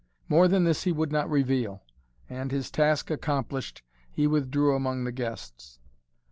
More than this he would not reveal and, his task accomplished, he withdrew among the guests.